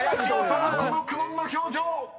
この苦悶の表情！］